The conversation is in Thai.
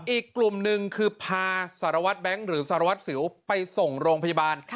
อีกกลุ่มหนึ่งคือพาสารวัตรแบงค์หรือสารวัตรสิวไปส่งโรงพยาบาล